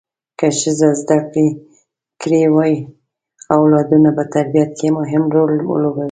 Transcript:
که ښځه زده کړې کړي وي اولادو په تربیه کې مهم رول لوبوي